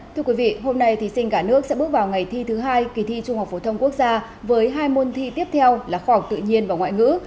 thưa quý vị hôm nay thí sinh cả nước sẽ bước vào ngày thi thứ hai kỳ thi trung học phổ thông quốc gia với hai môn thi tiếp theo là khoa học tự nhiên và ngoại ngữ